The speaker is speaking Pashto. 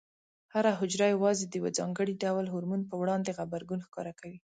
هره حجره یوازې د یو ځانګړي ډول هورمون په وړاندې غبرګون ښکاره کوي.